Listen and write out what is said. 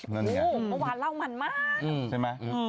เมื่อวานเล่าหมั่นมาก